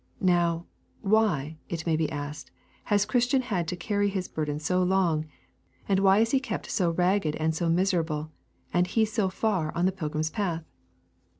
Now, why, it may be asked, has Christian had to carry his burden so long, and why is he still kept so ragged and so miserable and he so far on in the pilgrim's path?